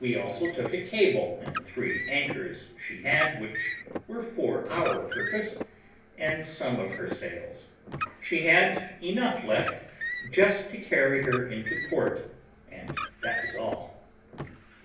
We also took a cable and three anchors she had, which were for our purpose, and some of her sails. She had enough left just to carry her into port, and that was all.